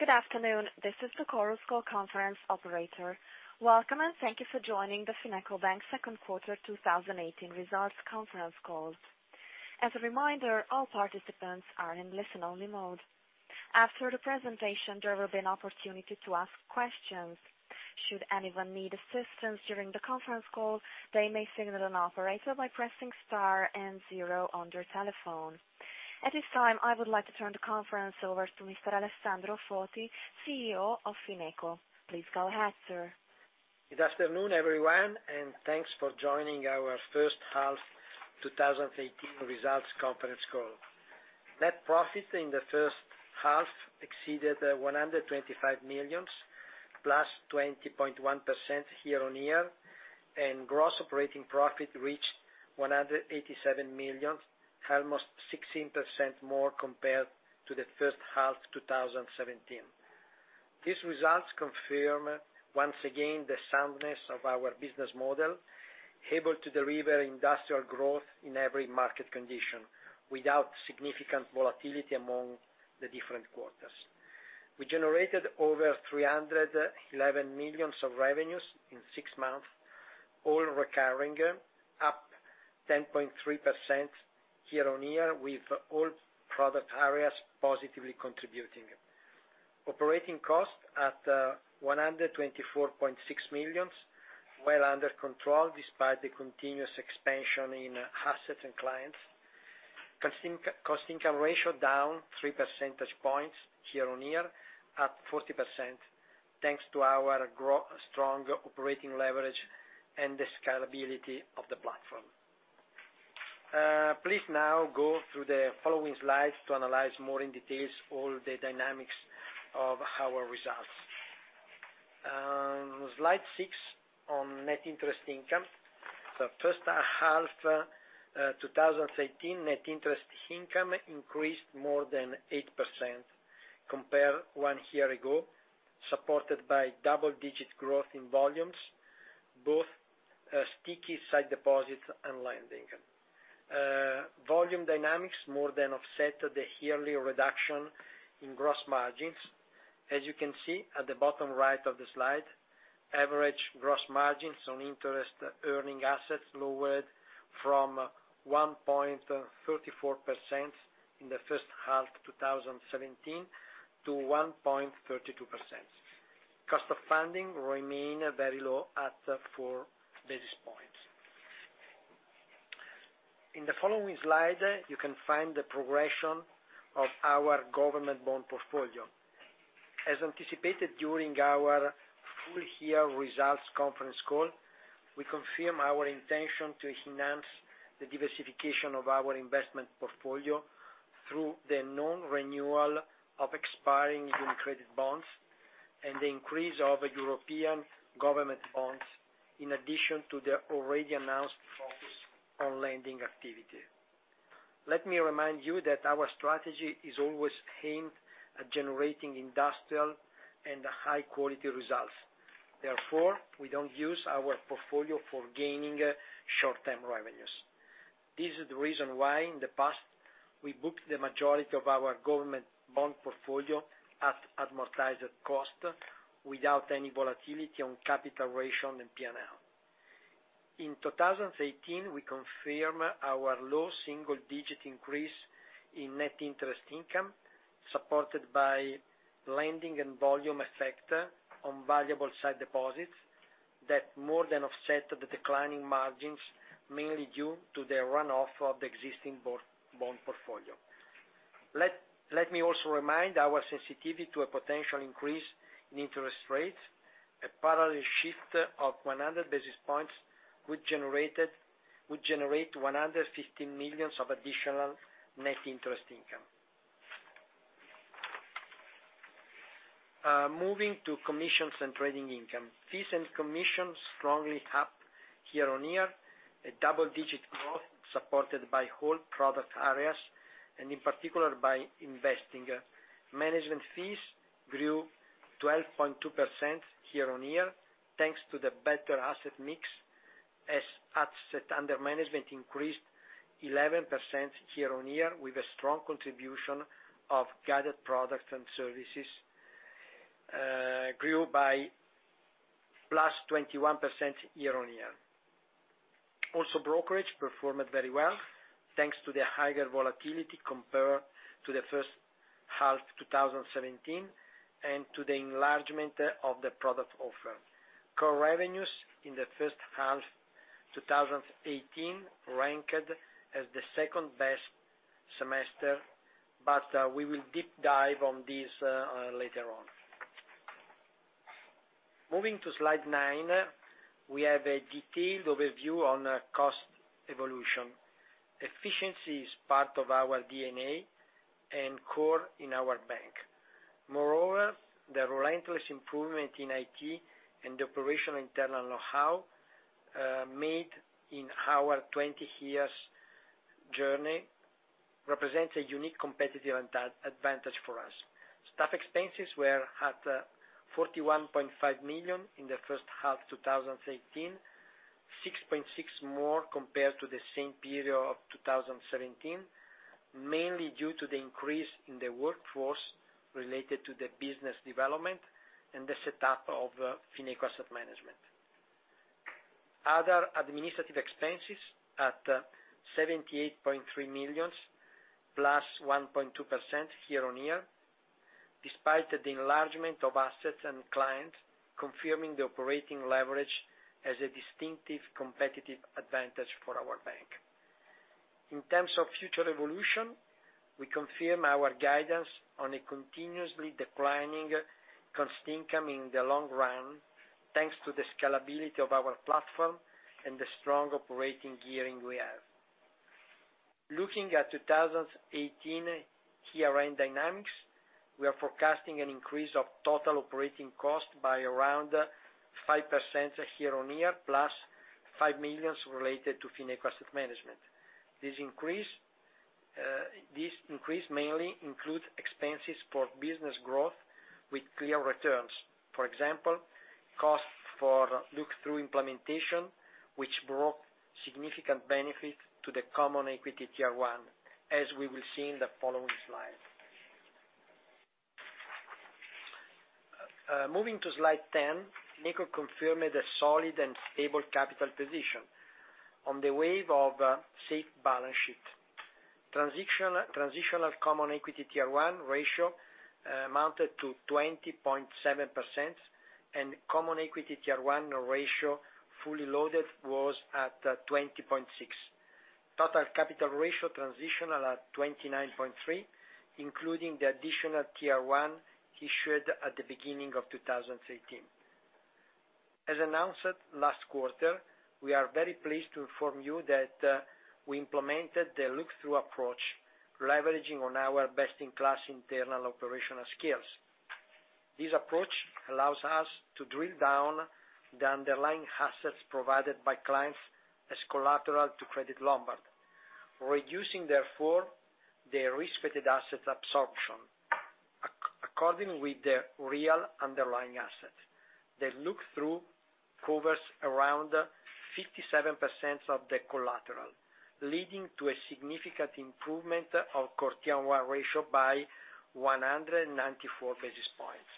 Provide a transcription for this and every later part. Good afternoon. This is the Chorus Call conference operator. Welcome, and thank you for joining the FinecoBank second quarter 2018 results conference call. As a reminder, all participants are in listen-only mode. After the presentation, there will be an opportunity to ask questions. Should anyone need assistance during the conference call, they may signal an operator by pressing star and zero on their telephone. At this time, I would like to turn the conference over to Mr. Alessandro Foti, CEO of Fineco. Please go ahead, sir. Good afternoon, everyone, thanks for joining our first half 2018 results conference call. Net profit in the first half exceeded 125 million, plus 20.1% year-on-year. Gross operating profit reached 187 million, almost 16% more compared to the first half 2017. These results confirm, once again, the soundness of our business model, able to deliver industrial growth in every market condition without significant volatility among the different quarters. We generated over 311 million of revenues in six months, all recurring, up 10.3% year-on-year, with all product areas positively contributing. Operating cost at 124.6 million, well under control despite the continuous expansion in assets and clients. Cost-income ratio down three percentage points year-on-year at 40%, thanks to our strong operating leverage and the scalability of the platform. Please now go through the following slides to analyze more in details all the dynamics of our results. Slide six on net interest income. First half 2018, net interest income increased more than 8% compared one year ago, supported by double-digit growth in volumes, both sticky sight deposits and lending. Volume dynamics more than offset the yearly reduction in gross margins. As you can see at the bottom right of the slide, average gross margins on interest-earning assets lowered from 1.34% in the first half 2017 to 1.32%. Cost of funding remain very low at four basis points. In the following slide, you can find the progression of our government bond portfolio. As anticipated during our full-year results conference call, we confirm our intention to enhance the diversification of our investment portfolio through the non-renewal of expiring UniCredit bonds and the increase of European government bonds, in addition to the already announced focus on lending activity. Let me remind you that our strategy is always aimed at generating industrial and high-quality results. Therefore, we don't use our portfolio for gaining short-term revenues. This is the reason why, in the past, we booked the majority of our government bond portfolio at amortized cost without any volatility on capital ratio and P&L. In 2018, we confirm our low single-digit increase in net interest income, supported by lending and volume effect on variable site deposits that more than offset the decline in margins, mainly due to the run-off of the existing bond portfolio. Let me also remind our sensitivity to a potential increase in interest rates. A parallel shift of 100 basis points would generate 115 million of additional net interest income. Moving to commissions and trading income. Fees and commissions strongly up year-on-year. A double-digit growth supported by whole product areas, in particular, by investing. Management fees grew 12.2% year-on-year, thanks to the better asset mix, as assets under management increased 11% year-on-year with a strong contribution of guided products and services, grew by plus 21% year-on-year. Also, brokerage performed very well thanks to the higher volatility compared to the first half 2017 and to the enlargement of the product offer. Core revenues in the first half 2018 ranked as the second-best semester. We will deep dive on this later on. Moving to slide nine, we have a detailed overview on cost evolution. Efficiency is part of our DNA and core in our bank. Moreover, the relentless improvement in IT and the operational internal know-how made in our 20 years journey represents a unique competitive advantage for us. Staff expenses were at 41.5 million in the first half 2018. 6.6 million more compared to the same period of 2017, mainly due to the increase in the workforce related to the business development and the setup of Fineco Asset Management. Other administrative expenses at 78.3 million, plus 1.2% year-on-year, despite the enlargement of assets and clients, confirming the operating leverage as a distinctive competitive advantage for our bank. In terms of future evolution, we confirm our guidance on a continuously declining cost income in the long run, thanks to the scalability of our platform and the strong operating gearing we have. Looking at 2018 year-end dynamics, we are forecasting an increase of total operating cost by around 5% year-on-year, plus 5 million related to Fineco Asset Management. This increase mainly includes expenses for business growth with clear returns. For example, cost for look-through implementation, which brought significant benefit to the Common Equity Tier 1, as we will see in the following slide. Moving to slide 10, Fineco confirmed a solid and stable capital position on the wave of a safe balance sheet. Transitional Common Equity Tier 1 ratio amounted to 20.7%, and Common Equity Tier 1 ratio fully loaded was at 20.6%. Total Capital Ratio transitional at 29.3%, including the Additional Tier 1 issued at the beginning of 2018. As announced last quarter, we are very pleased to inform you that we implemented the look-through approach, leveraging on our best-in-class internal operational skills. This approach allows us to drill down the underlying assets provided by clients as collateral to Credit Lombard, reducing therefore the risk-weighted assets absorption according with the real underlying asset. The look-through covers around 57% of the collateral, leading to a significant improvement of core Tier 1 ratio by 194 basis points.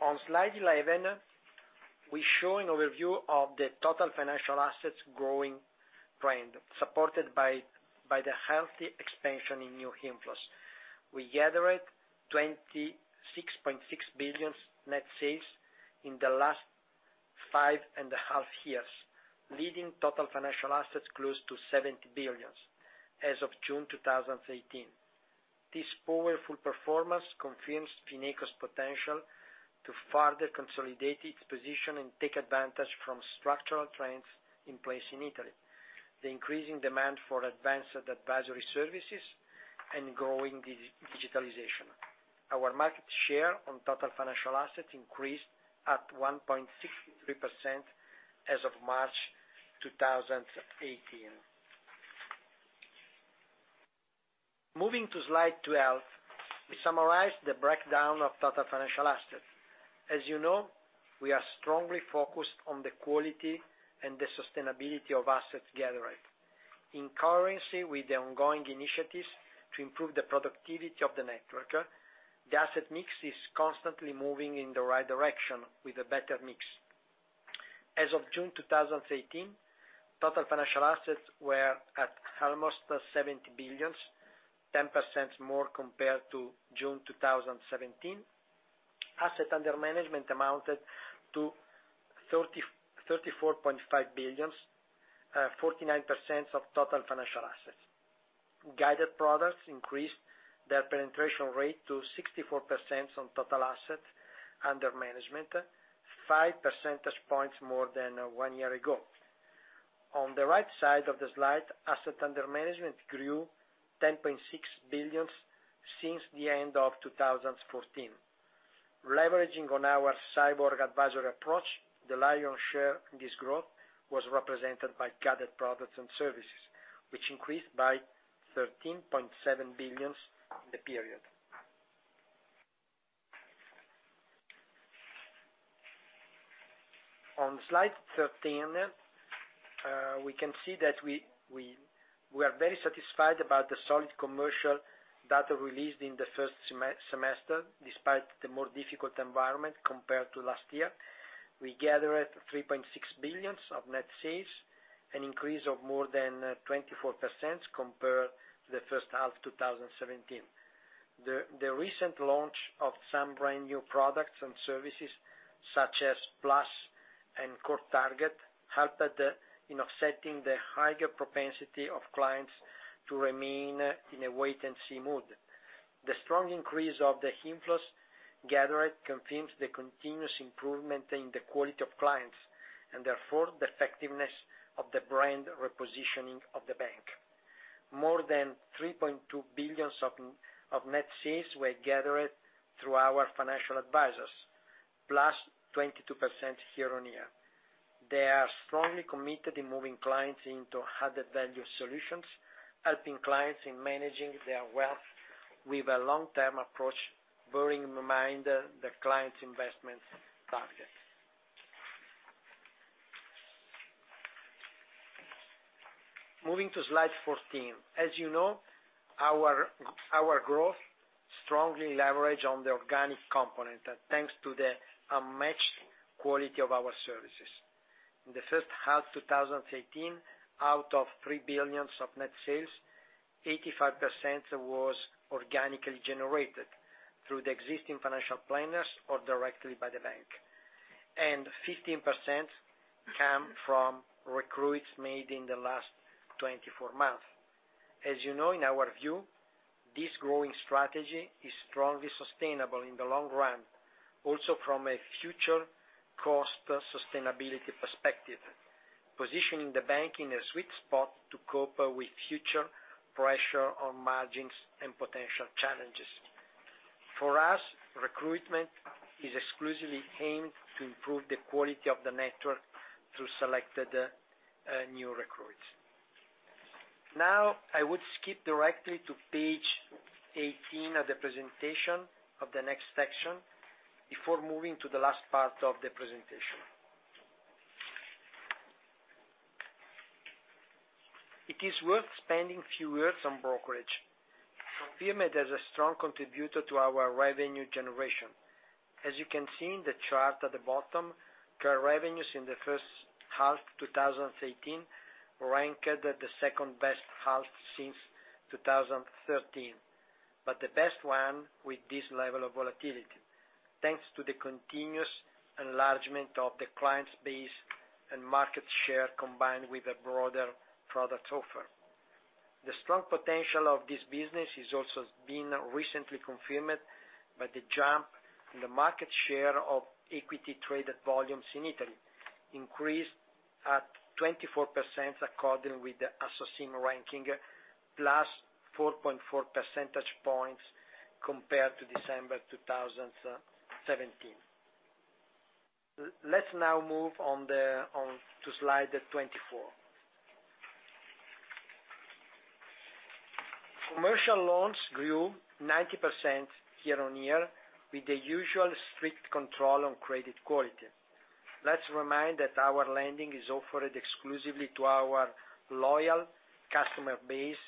On slide 11, we're showing overview of the total financial assets growing trend, supported by the healthy expansion in new inflows. We gathered 26.6 billion net sales in the last five and a half years, leading total financial assets close to 70 billion as of June 2018. This powerful performance confirms Fineco's potential to further consolidate its position and take advantage from structural trends in place in Italy, the increasing demand for advanced advisory services, and growing digitalization. Our market share on total financial assets increased at 1.63% as of March 2018. Moving to slide 12, we summarize the breakdown of total financial assets. As you know, we are strongly focused on the quality and the sustainability of assets gathered. In currency with the ongoing initiatives to improve the productivity of the network, the asset mix is constantly moving in the right direction with a better mix. As of June 2018, total financial assets were at almost 70 billion, 10% more compared to June 2017. Assets under management amounted to 34.5 billion, 49% of total financial assets. Guided products increased their penetration rate to 64% on total assets under management, 5 percentage points more than one year ago. On the right side of the slide, assets under management grew 10.6 billion since the end of 2014. Leveraging on our cyborg advisory approach, the lion's share in this growth was represented by guided products and services, which increased by 13.7 billion in the period. On slide 13, we can see that we are very satisfied about the solid commercial data released in the first semester, despite the more difficult environment compared to last year. We gathered 3.6 billion of net sales, an increase of more than 24% compared to the first half 2017. The recent launch of some brand-new products and services, such as Plus and Core Target, helped in offsetting the higher propensity of clients to remain in a wait-and-see mood. The strong increase of the inflows gathered confirms the continuous improvement in the quality of clients, and therefore the effectiveness of the brand repositioning of the bank. More than 3.2 billion of net sales were gathered through our financial advisors, +22% year-on-year. They are strongly committed in moving clients into added value solutions, helping clients in managing their wealth with a long-term approach, bearing in mind the client's investment targets. Moving to slide 14. As you know, our growth strongly leverage on the organic component, thanks to the unmatched quality of our services. In the first half 2018, out of 3 billion of net sales, 85% was organically generated through the existing financial planners or directly by the bank, and 15% came from recruits made in the last 24 months. As you know, in our view, this growing strategy is strongly sustainable in the long run, also from a future cost sustainability perspective, positioning the bank in a sweet spot to cope with future pressure on margins and potential challenges. For us, recruitment is exclusively aimed to improve the quality of the network through selected new recruits. Now, I would skip directly to page 18 of the presentation, of the next section, before moving to the last part of the presentation. It is worth spending a few words on brokerage. Confirmed as a strong contributor to our revenue generation. As you can see in the chart at the bottom, current revenues in the first half 2018 ranked at the second best half since 2013, but the best one with this level of volatility, thanks to the continuous enlargement of the client base and market share, combined with a broader product offer. The strong potential of this business is also being recently confirmed by the jump in the market share of equity traded volumes in Italy, increased at 24%, according with the Assogestioni ranking, +4.4 percentage points compared to December 2017. Let's now move on to slide 24. Commercial loans grew 90% year-on-year with the usual strict control on credit quality. Let's remind that our lending is offered exclusively to our loyal customer base,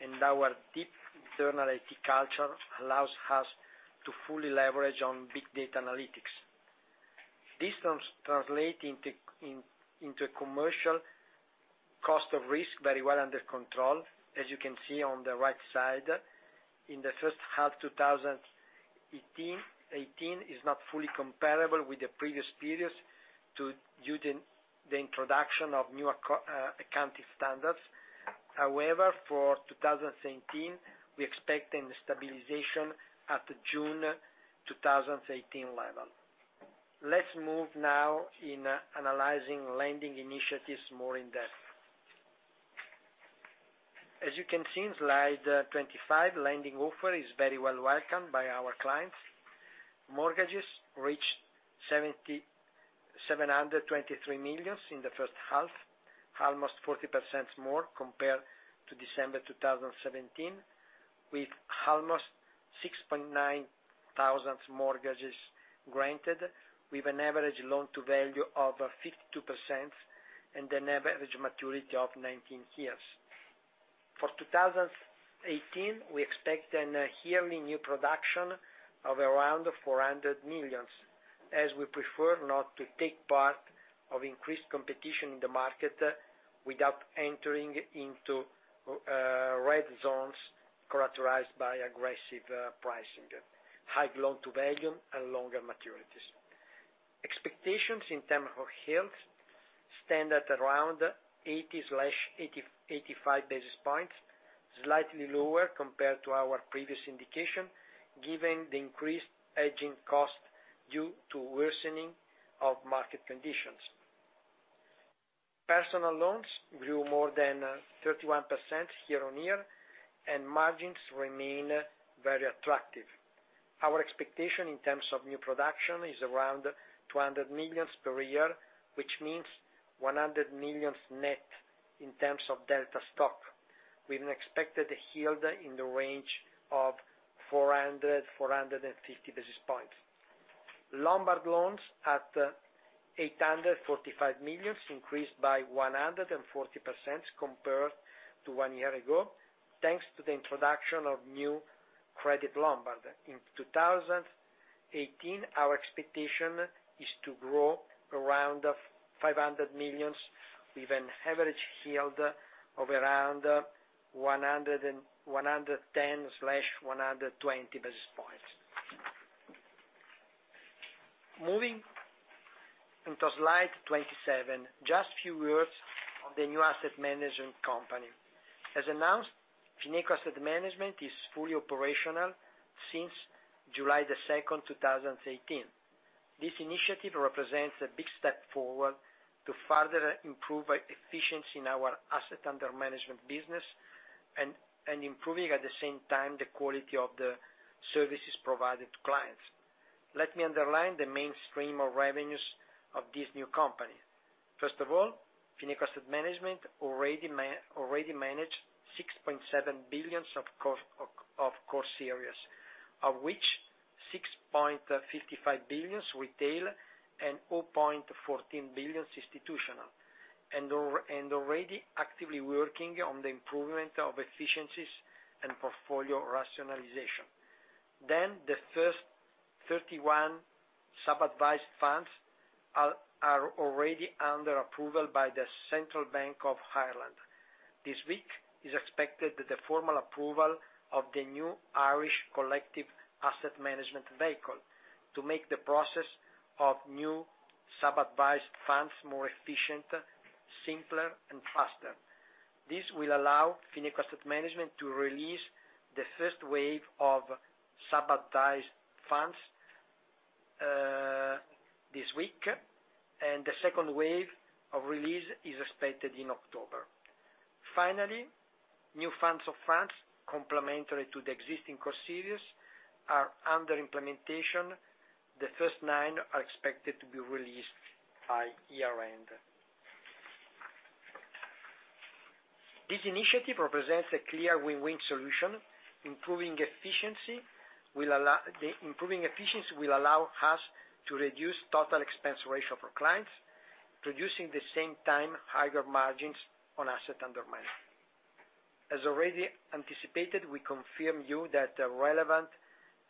and our deep internal IT culture allows us to fully leverage on big data analytics. This translates into a commercial cost of risk very well under control, as you can see on the right side. In the first half 2018, it's not fully comparable with the previous periods due to the introduction of new accounting standards. However, for 2018, we're expecting stabilization at the June 2018 level. Let's move now in analyzing lending initiatives more in depth. As you can see in slide 25, lending offer is very well welcomed by our clients. Mortgages reached 723 million in the first half, almost 40% more compared to December 2017, with almost 6.9 thousand mortgages granted, with an average loan-to-value of 52% and an average maturity of 19 years. For 2018, we expect an yearly new production of around 400 million, as we prefer not to take part of increased competition in the market without entering into red zones characterized by aggressive pricing, high loan-to-value, and longer maturities. Expectations in terms of yields stand at around 80-85 basis points, slightly lower compared to our previous indication, given the increased hedging cost due to worsening of market conditions. Personal loans grew more than 31% year-on-year, and margins remain very attractive. Our expectation in terms of new production is around 200 million per year, which means 100 million net in terms of delta stock, with an expected yield in the range of 400-450 basis points. Lombard loans at 845 million increased by 140% compared to one year ago, thanks to the introduction of new Credit Lombard. In 2018, our expectation is to grow around 500 million, with an average yield of around 110-120 basis points. Moving onto slide 27, just a few words on the new asset management company. As announced, Fineco Asset Management is fully operational since July 2nd, 2018. This initiative represents a big step forward to further improve efficiency in our asset under management business. Improving at the same time the quality of the services provided to clients. Let me underline the main stream of revenues of this new company. First of all, Fineco Asset Management already managed 6.7 billion of Core Series, of which 6.55 billion retail and 0.14 billion institutional, and already actively working on the improvement of efficiencies and portfolio rationalization. The first 31 sub-advised funds are already under approval by the Central Bank of Ireland. This week is expected that the formal approval of the new Irish collective asset management vehicle to make the process of new sub-advised funds more efficient, simpler and faster. This will allow Fineco Asset Management to release the first wave of sub-advised funds this week, and the second wave of release is expected in October. Finally, new funds of funds, complementary to the existing Core Series, are under implementation. The first nine are expected to be released by year-end. This initiative represents a clear win-win solution. Improving efficiency will allow us to reduce total expense ratio for clients, producing at the same time higher margins on asset under management. As already anticipated, we confirm you that relevant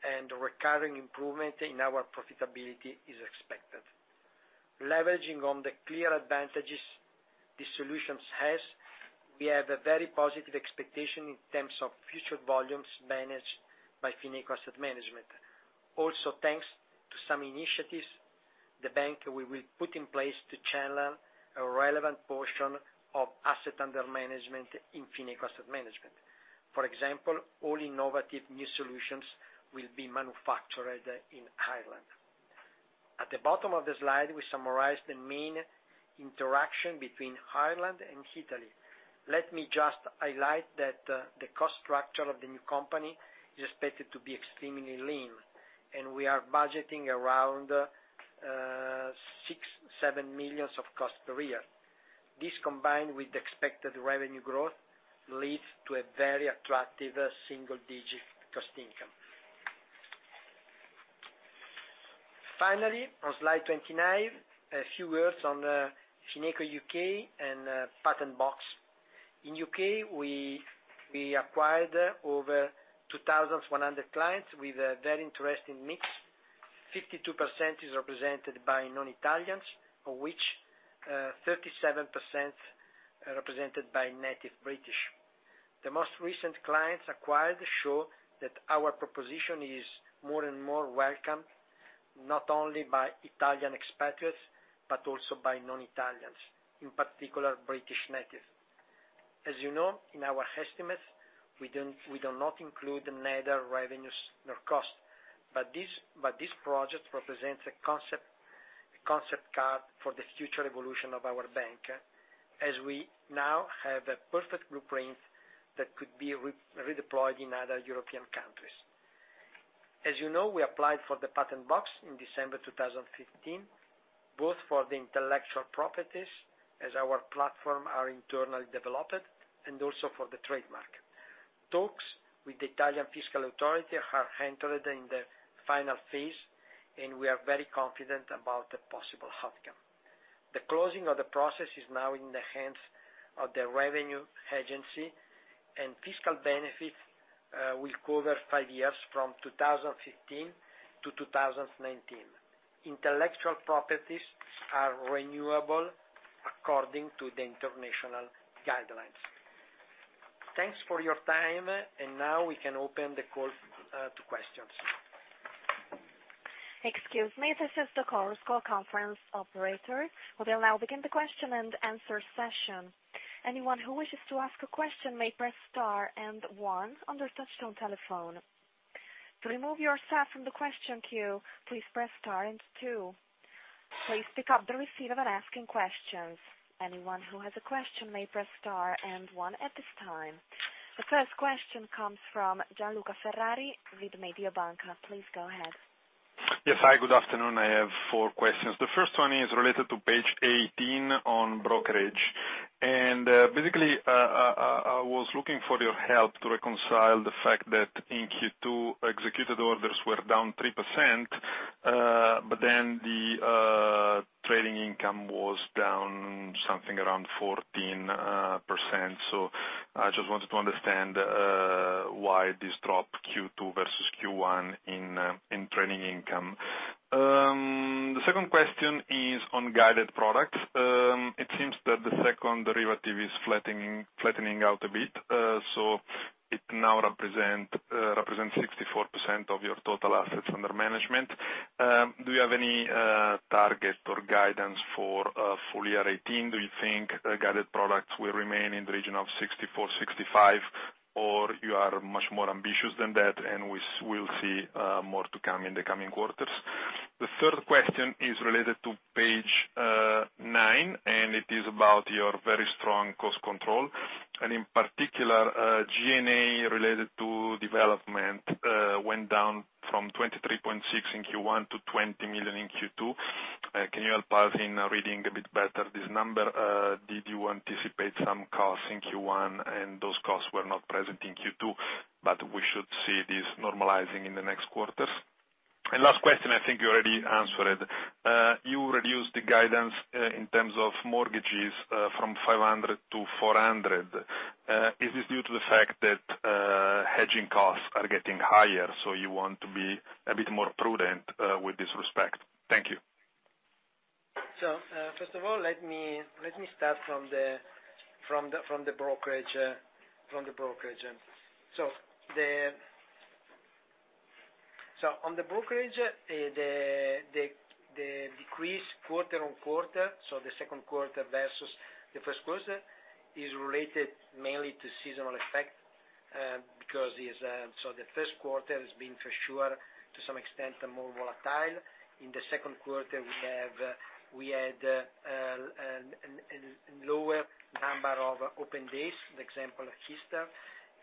and recurring improvement in our profitability is expected. Leveraging on the clear advantages these solutions has, we have a very positive expectation in terms of future volumes managed by Fineco Asset Management. Thanks to some initiatives, the bank we will put in place to channel a relevant portion of asset under management in Fineco Asset Management. For example, all innovative new solutions will be manufactured in Ireland. At the bottom of the slide, we summarize the main interaction between Ireland and Italy. Let me just highlight that the cost structure of the new company is expected to be extremely lean, and we are budgeting around 6 million-7 million of cost per year. This, combined with expected revenue growth, leads to a very attractive single-digit cost income. Finally, on slide 29, a few words on Fineco U.K. and Patent Box. In U.K., we acquired over 2,100 clients with a very interesting mix. 52% is represented by non-Italians, of which 37% are represented by native British. The most recent clients acquired show that our proposition is more and more welcomed, not only by Italian expatriates, but also by non-Italians, in particular British native. As you know, in our estimates, we do not include neither revenues nor cost. This project represents a concept card for the future evolution of our bank, as we now have a perfect blueprint that could be redeployed in other European countries. As you know, we applied for the Patent Box in December 2015, both for the intellectual properties as our platform are internally developed, and also for the trademark. Talks with the Italian Fiscal Authority have entered in the final phase. We are very confident about the possible outcome. The closing of the process is now in the hands of the revenue agency. Fiscal benefit will cover five years from 2015 to 2019. Intellectual properties are renewable according to the international guidelines. Thanks for your time. Now we can open the call to questions. Excuse me. This is the Chorus Call Conference operator. We'll now begin the question and answer session. Anyone who wishes to ask a question may press star and one on their touch-tone telephone. To remove yourself from the question queue, please press star and two. Please pick up the receiver when asking questions. Anyone who has a question may press star and one at this time. The first question comes from Gian Luca Ferrari with Mediobanca. Please go ahead. Yes. Hi, good afternoon. I have four questions. The first one is related to page 18 on brokerage. Basically, I was looking for your help to reconcile the fact that in Q2, executed orders were down 3%, the trading income was down something around 14%, I just wanted to understand why this drop Q2 versus Q1 in trading income. The second question is on guided products. It seems that the second derivative is flattening out a bit, so it now represents 64% of your total assets under management. Do you have any target or guidance for full year 2018? Do you think guided products will remain in the region of 64, 65, or you are much more ambitious than that and we'll see more to come in the coming quarters? The third question is related to page nine, it is about your very strong cost control. In particular, G&A related to development went down from 23.6 million in Q1 to 20 million in Q2. Can you help us in reading a bit better this number? Did you anticipate some costs in Q1, those costs were not present in Q2, we should see this normalizing in the next quarters? Last question, I think you already answered. You reduced the guidance in terms of mortgages from 500 million to 400 million. Is this due to the fact that hedging costs are getting higher, you want to be a bit more prudent with this respect? Thank you. First of all, let me start from the brokerage. On the brokerage, the decrease quarter-over-quarter, the second quarter versus the first quarter, is related mainly to seasonal effect, because the first quarter has been, for sure, to some extent, more volatile. In the second quarter, we had a lower number of open days, the example of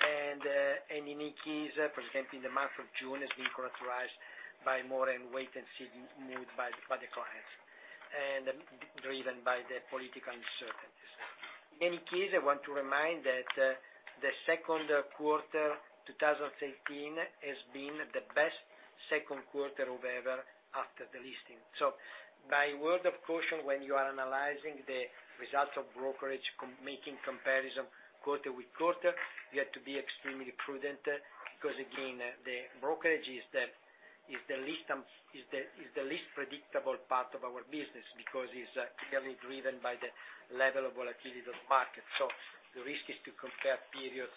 Easter, in any case, for example, the month of June has been characterized by more of a wait-and-see mood by the clients, driven by the political uncertainties. In any case, I want to remind that the second quarter 2018 has been the best second quarter ever after the listing. My word of caution when you are analyzing the results of brokerage, making comparison quarter-over-quarter, you have to be extremely prudent, because again, the brokerage is the least predictable part of our business, because it's clearly driven by the level of volatility of the market. The risk is to compare periods.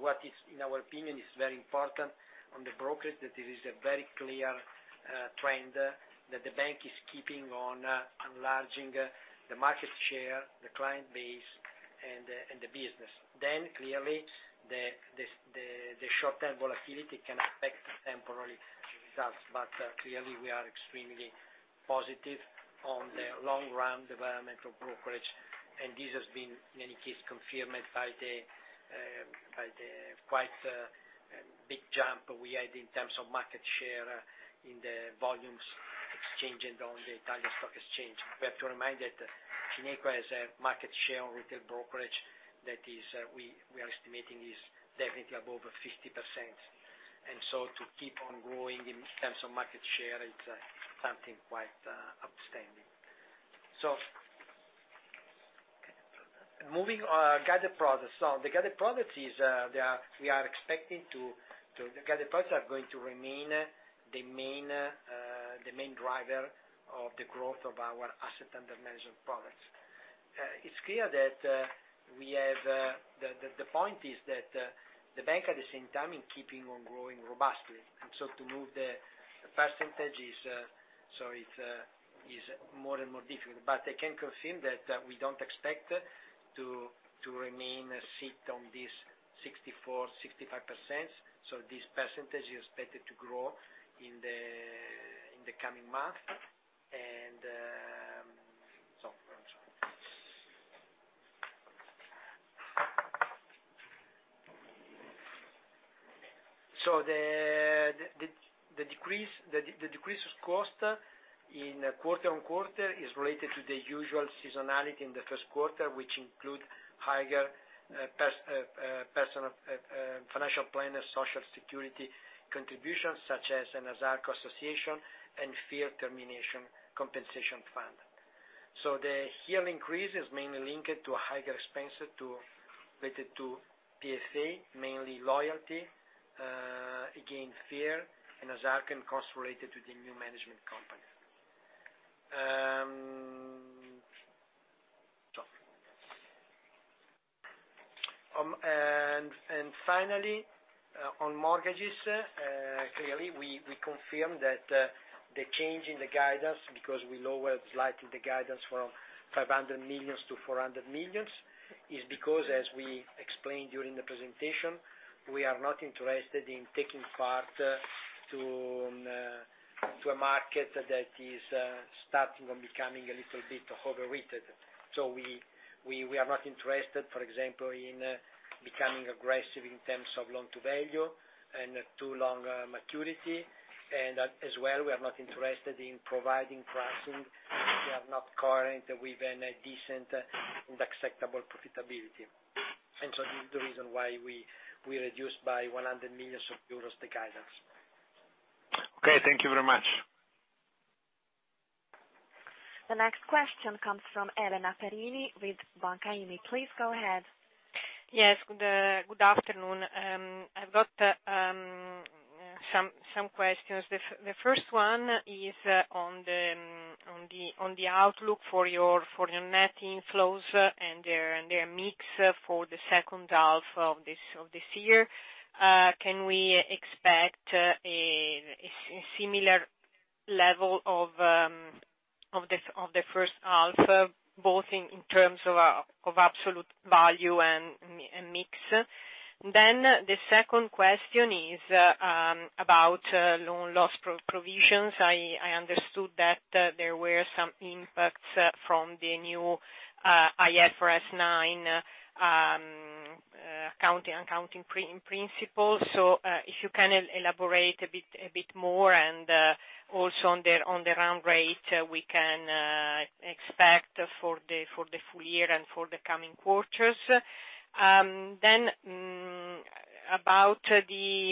What is, in our opinion, is very important on the brokerage, that it is a very clear trend that the bank is keeping on enlarging the market share, the client base, and the business. Clearly, the short-term volatility can affect temporary results. Clearly, we are extremely positive on the long-run development of brokerage, and this has been, in any case, confirmed by the quite big jump we had in terms of market share in the volumes exchange and on the Italian stock exchange. We have to remind that Fineco has a market share on retail brokerage that we are estimating is definitely above 50%. To keep on growing in terms of market share is something quite outstanding. Moving on, guided products. The guided products are going to remain the main driver of the growth of our asset under management products. It's clear that the point is that the bank, at the same time, is keeping on growing robustly, and to move the percentage is more and more difficult. But I can confirm that we don't expect to remain sit on this 64%-65%. This percentage is expected to grow in the coming months. The decrease of cost in quarter-on-quarter is related to the usual seasonality in the first quarter, which include higher financial planner Social Security contributions, such as ENASARCO Association and FIRR Termination Compensation Fund. The yield increase is mainly linked to a higher expense related to PFA, mainly loyalty. Again, FIRR, ENASARCO, and costs related to the new management company. On mortgages, clearly, we confirm that the change in the guidance, because we lowered slightly the guidance from 500 million to 400 million, is because, as we explained during the presentation, we are not interested in taking part to a market that is starting on becoming a little bit overrated. We are not interested, for example, in becoming aggressive in terms of loan-to-value and too long maturity, and as well, we are not interested in providing pricing if we are not current with a decent and acceptable profitability. This is the reason why we reduced by 100 million euros the guidance. Okay, thank you very much. The next question comes from Elena Biffi with Banca IMI. Please go ahead. Yes, good afternoon. I've got some questions. The first one is on the outlook for your net inflows and their mix for the second half of this year. Can we expect a similar level of the first half, both in terms of absolute value and mix. The second question is about loan loss provisions. I understood that there were some impacts from the new IFRS 9 accounting principles. If you can elaborate a bit more and also on the run rate we can expect for the full year and for the coming quarters. About the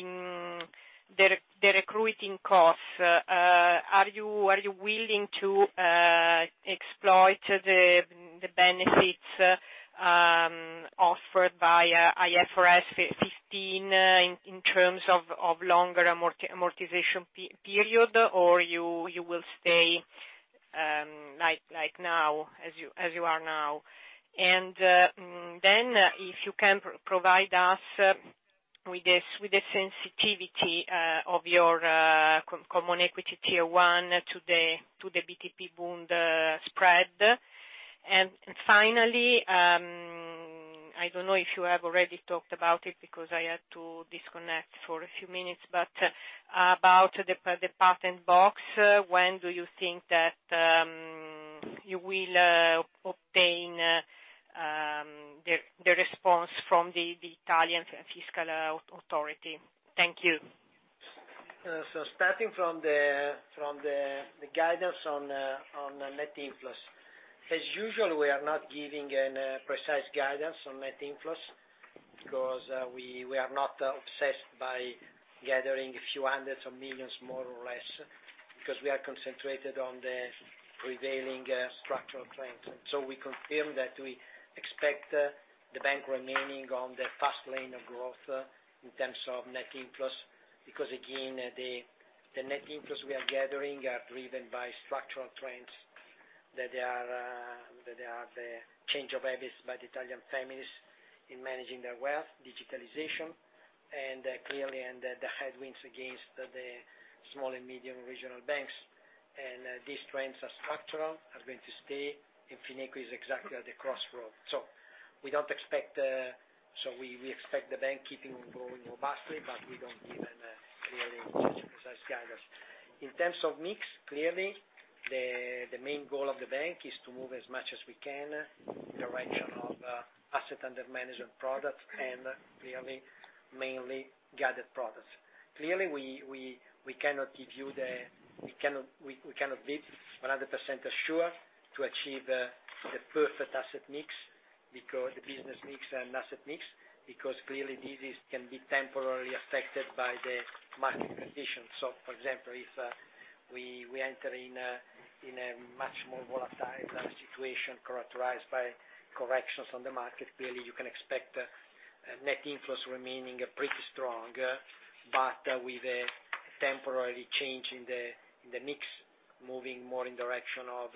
recruiting costs. Are you willing to exploit the benefits offered by IFRS 15 in terms of longer amortization period? You will stay like now, as you are now? If you can provide us with the sensitivity of your Common Equity Tier 1 to the BTP Bund spread. Finally, I don't know if you have already talked about it because I had to disconnect for a few minutes, about the Patent Box, when do you think that you will obtain the response from the Italian Fiscal Authority? Thank you. Starting from the guidance on net inflows. As usual, we are not giving any precise guidance on net inflows because we are not obsessed by gathering a few hundreds of millions, more or less, because we are concentrated on the prevailing structural trends. We confirm that we expect the bank remaining on the fast lane of growth in terms of net inflows, because again the net inflows we are gathering are driven by structural trends. That they are the change of habits by the Italian families in managing their wealth, digitalization, and clearly, the headwinds against the small and medium regional banks. These trends are structural, are going to stay, and Fineco is exactly at the crossroad. We expect the bank keeping on growing robustly, we don't give any really such precise guidance. In terms of mix, clearly, the main goal of the bank is to move as much as we can in the direction of asset under management products and clearly, mainly guided products. Clearly, we cannot be 100% assured to achieve the perfect asset mix, the business mix and asset mix, because clearly this can be temporarily affected by the market conditions. For example, if we enter in a much more volatile situation characterized by corrections on the market, clearly you can expect net inflows remaining pretty strong. With a temporary change in the mix, moving more in direction of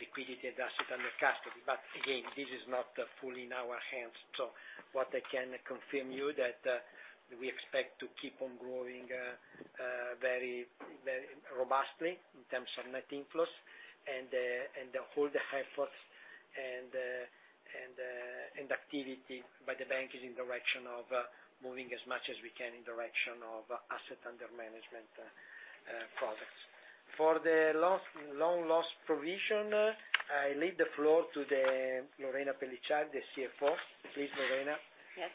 liquidity and asset under custody. Again, this is not fully in our hands. What I can confirm you that we expect to keep on growing very robustly in terms of net inflows and the whole efforts and activity by the bank is in direction of moving as much as we can in direction of asset under management products. For the loan loss provision, I leave the floor to Lorena Pelliciari, the CFO. Please, Lorena. Yes.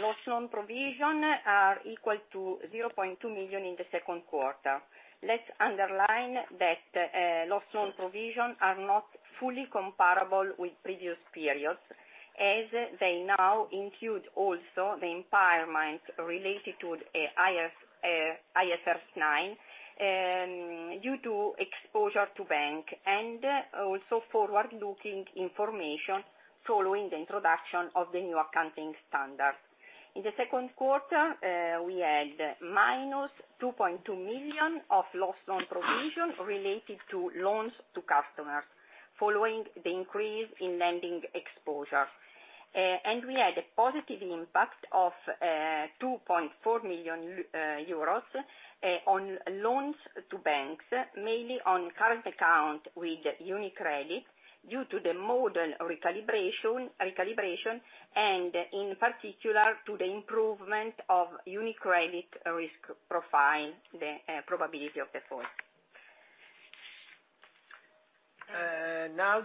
Loss loan provision are equal to 0.2 million in the second quarter. Let's underline that loss loan provision are not fully comparable with previous periods, as they now include also the impairment related to the IFRS 9, due to exposure to bank and also forward-looking information following the introduction of the new accounting standard. In the second quarter, we had minus 2.2 million of loss on provision related to loans to customers, following the increase in lending exposure. We had a positive impact of 2.4 million euros on loans to banks, mainly on current account with UniCredit, due to the model recalibration, and in particular to the improvement of UniCredit risk profile, the probability of default. Now,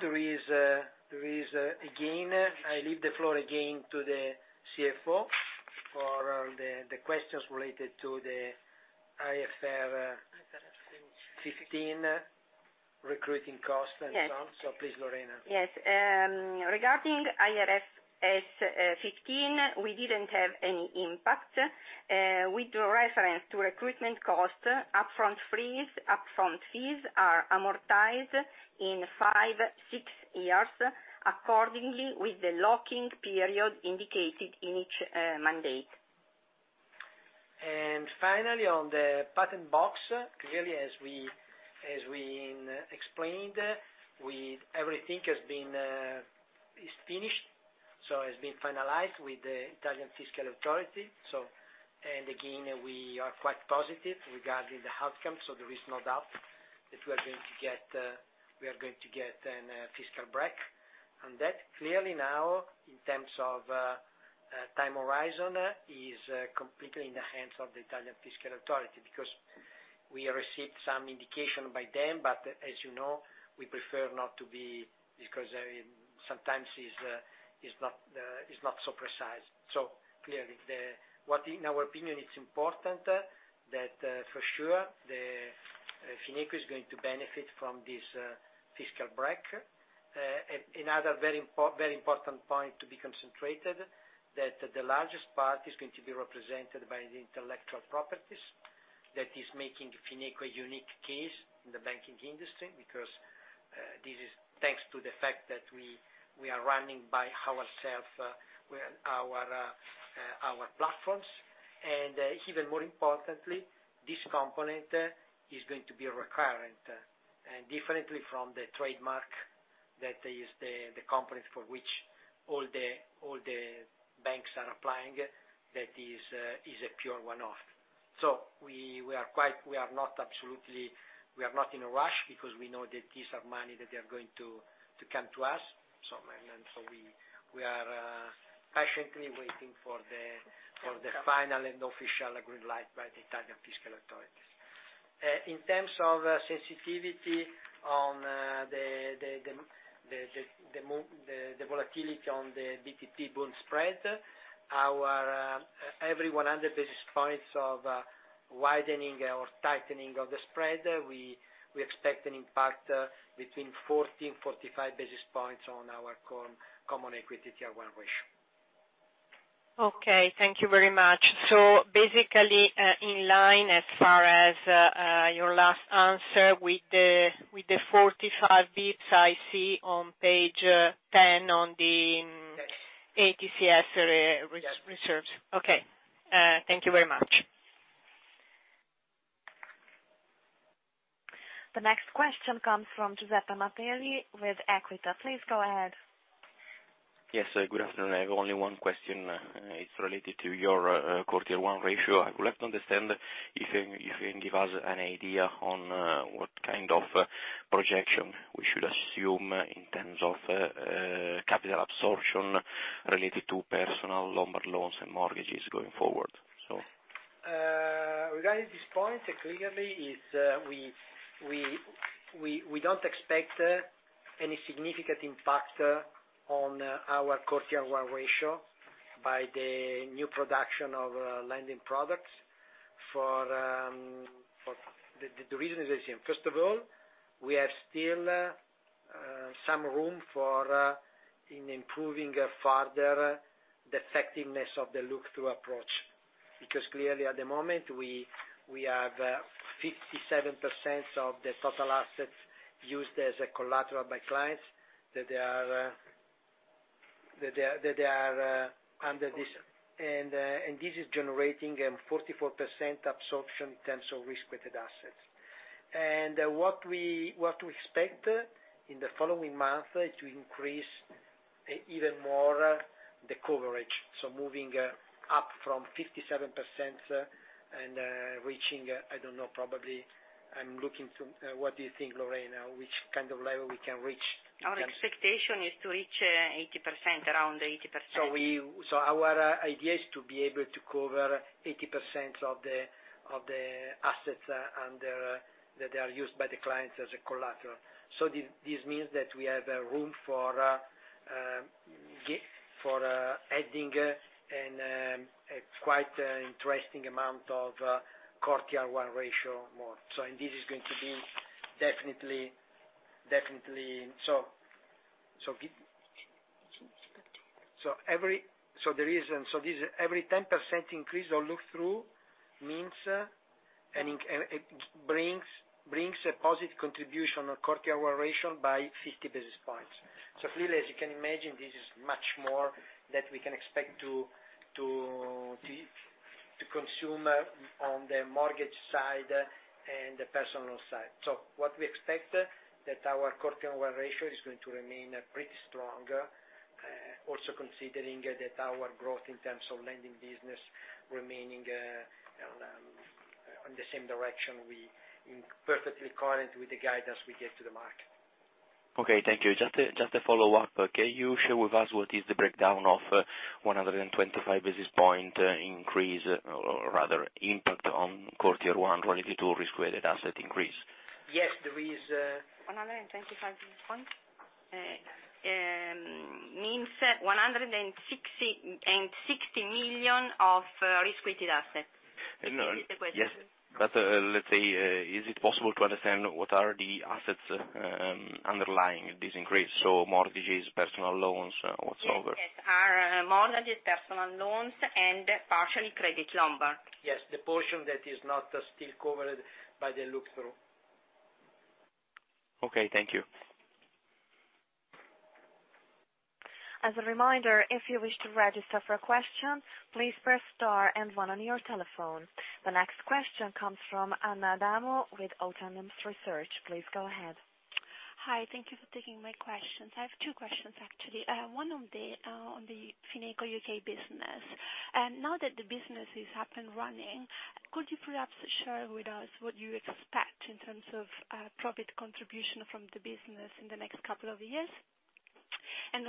I leave the floor again to the CFO for the questions related to the IFRS 15 recruiting cost and so on. Please, Lorena. Yes. Regarding IFRS 15, we didn't have any impact. With reference to recruitment cost, upfront fees are amortized in five, six years, accordingly with the locking period indicated in each mandate. Finally, on the Patent Box, clearly as we explained, everything has been finished. Has been finalized with the Italian Fiscal Authority. Again, we are quite positive regarding the outcome, so there is no doubt that we are going to get an fiscal break. That clearly now, in terms of time horizon, is completely in the hands of the Italian Fiscal Authority, because we received some indication by them, but as you know, sometimes it's not so precise. Clearly, what in our opinion it's important, that for sure Fineco is going to benefit from this fiscal break. Another very important point to be concentrated, that the largest part is going to be represented by the intellectual properties. That is making Fineco a unique case in the banking industry, because this is thanks to the fact that we are running by ourselves with our platforms. Even more importantly, this component is going to be recurrent. Differently from the trademark, that is the component for which all the banks are applying, that is a pure one-off. We are not in a rush because we know that these are money that are going to come to us. We are patiently waiting for the final and official green light by the Italian Fiscal Authorities. In terms of sensitivity on the volatility on the BTP-Bund spread, every 100 basis points of widening or tightening of the spread, we expect an impact between 40 and 45 basis points on our Common Equity Tier 1 ratio. Okay, thank you very much. Basically, in line as far as your last answer with the 45 basis points I see on page 10 on the HTCS reserves. Yes. Okay. Thank you very much. The next question comes from Giuseppe Mapelli with Equita. Please go ahead. Yes, good afternoon. I have only one question. It's related to your core Tier 1 ratio. I would like to understand if you can give us an idea on what kind of projection we should assume in terms of capital absorption related to personal loans and mortgages going forward. Regarding this point, clearly we don't expect any significant impact on our core Tier 1 ratio by the new production of lending products. The reason is this. First of all, we have still some room in improving further the effectiveness of the look-through approach. Because clearly at the moment, we have 57% of the total assets used as a collateral by clients, that they are under this. This is generating a 44% absorption in terms of risk-weighted assets. What we expect in the following month to increase even more the coverage. Moving up from 57% and reaching, I don't know, probably I'm looking to, what do you think, Lorena? Which kind of level we can reach? Our expectation is to reach around 80%. Our idea is to be able to cover 80% of the assets that they are used by the clients as a collateral. This means that we have a room for adding quite an interesting amount of Core Tier 1 ratio more. Every 10% increase on look-through brings a positive contribution on Core Tier 1 ratio by 50 basis points. Clearly, as you can imagine, this is much more that we can expect to consume on the mortgage side and the personal side. What we expect that our Core Tier 1 ratio is going to remain pretty strong. Also considering that our growth in terms of lending business remaining on the same direction, perfectly current with the guidance we gave to the market. Okay, thank you. Just a follow-up. Can you share with us what is the breakdown of 125 basis point increase, or rather impact on Core Tier 1 related to risk-weighted asset increase? Yes. 125 basis points means 160 million of risk-weighted assets. This is the question. Yes. Let's say, is it possible to understand what are the assets underlying this increase? Mortgages, personal loans, whatsoever. Yes. Are mortgages, personal loans and partially Credit Lombard. Yes. The portion that is not still covered by the look-through. Okay. Thank you. As a reminder, if you wish to register for a question, please press star and one on your telephone. The next question comes from Anna Damo with Autonomous Research. Please go ahead. Hi, thank you for taking my questions. I have two questions, actually. One on the Fineco U.K. business. Now that the business is up and running, could you perhaps share with us what you expect in terms of profit contribution from the business in the next couple of years?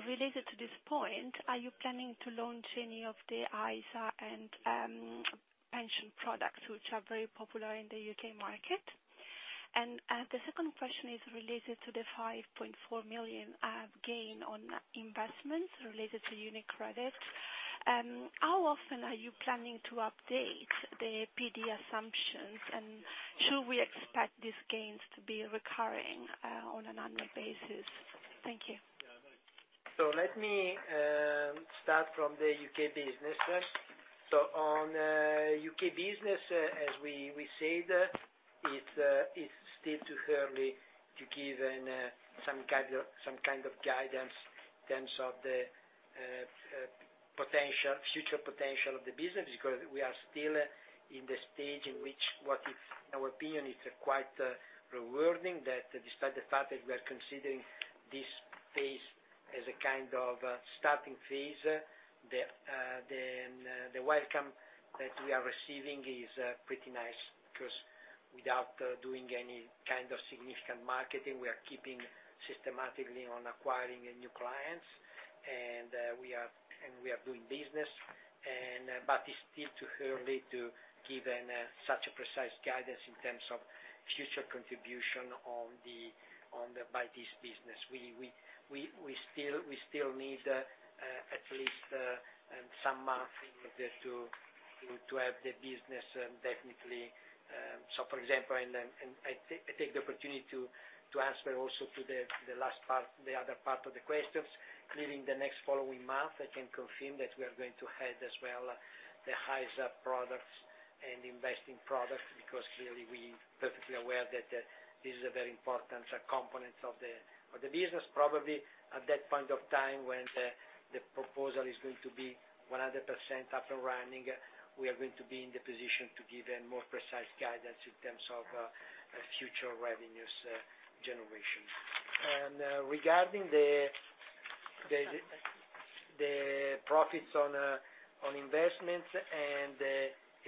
Related to this point, are you planning to launch any of the ISA and pension products, which are very popular in the U.K. market? The second question is related to the 5.4 million gain on investments related to UniCredit. How often are you planning to update the PD assumptions, and should we expect these gains to be recurring on an annual basis? Thank you. Let me start from the U.K. business first. On U.K. business, as we said, it is still too early to give some kind of guidance in terms of the future potential of the business, because we are still in the stage in which, what is our opinion, it is quite rewarding that despite the fact that we are considering this phase as a kind of starting phase, the welcome that we are receiving is pretty nice. Without doing any kind of significant marketing, we are keeping systematically on acquiring new clients, and we are doing business. It is still too early to give such a precise guidance in terms of future contribution by this business. We still need at least some months to have the business definitely. For example, I take the opportunity to answer also to the other part of the questions. In the next following month, I can confirm that we are going to have as well the ISA products and investing products, because clearly we're perfectly aware that this is a very important component of the business. Probably at that point of time when the proposal is going to be 100% up and running, we are going to be in the position to give a more precise guidance in terms of future revenues generation. Regarding the profits on investments and the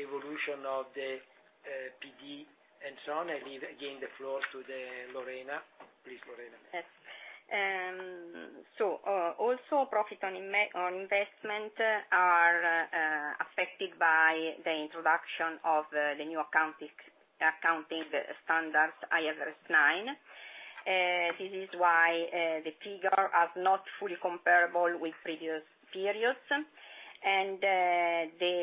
evolution of the PD and so on, I leave again the floor to Lorena. Please, Lorena. Yes. Also profit on investment are affected by the introduction of the new accounting standards, IFRS 9. This is why the figures are not fully comparable with previous periods. The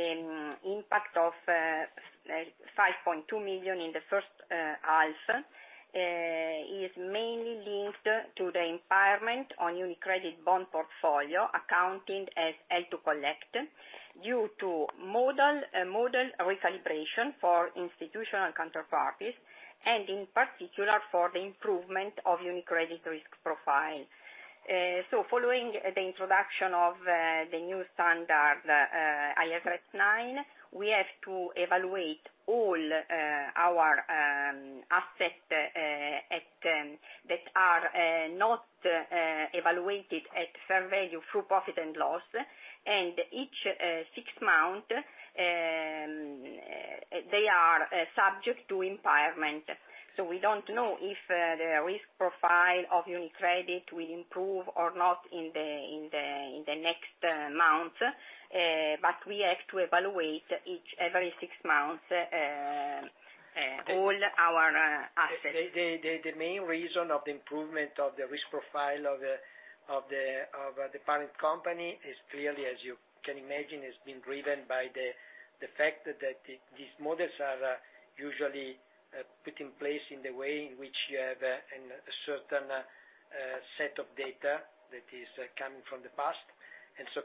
impact of 5.2 million in the first half is mainly linked to the impairment on UniCredit bond portfolio, accounted as held to collect, due to model recalibration for institutional counterparties, and in particular for the improvement of UniCredit risk profile. Following the introduction of the new standard, IFRS 9, we have to evaluate all our assets that are not evaluated at fair value through profit and loss. Each six months, they are subject to impairment. We don't know if the risk profile of UniCredit will improve or not in the next month. We have to evaluate every six months, all our assets. The main reason of the improvement of the risk profile of the parent company is clearly, as you can imagine, is being driven by the fact that these models are usually put in place in the way in which a certain set of data that is coming from the past.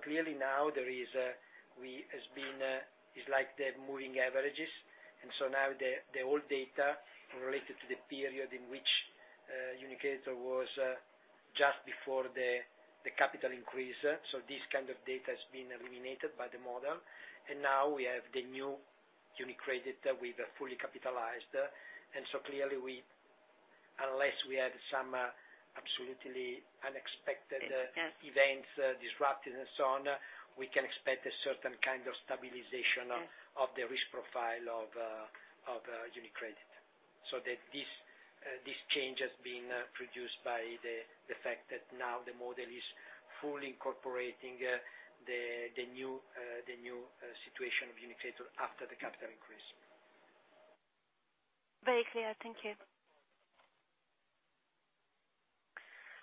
Clearly now it's like the moving averages. Now the old data related to the period in which UniCredit was just before the capital increase, this kind of data has been eliminated by the model. Now we have the new UniCredit with fully capitalized. Clearly, unless we have some absolutely unexpected events, disruptive and so on, we can expect a certain kind of stabilization of the risk profile of UniCredit. This change has been produced by the fact that now the model is fully incorporating the new situation of UniCredit after the capital increase. Very clear. Thank you.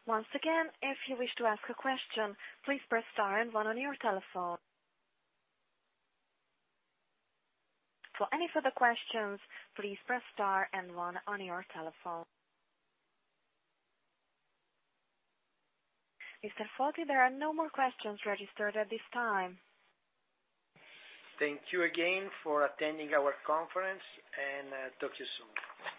Once again, if you wish to ask a question, please press star and one on your telephone. For any further questions, please press star and one on your telephone. Mr. Foti, there are no more questions registered at this time. Thank you again for attending our conference, and talk to you soon. Thank you.